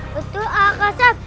betul kakak sahab